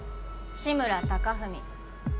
志村貴文